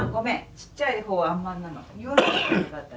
ちっちゃいほうはあんまんなの。